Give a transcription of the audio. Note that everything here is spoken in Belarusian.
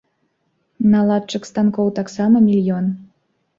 Наладчык станкоў таксама мільён.